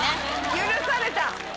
許された。